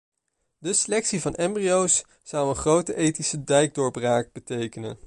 De selectie van embryo's zou een grote ethische dijkdoorbraak betekenen.